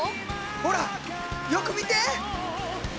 ほらよく見て！